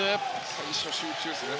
最初、集中ですね